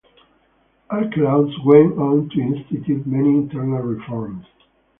Archelaus went on to institute many internal reforms.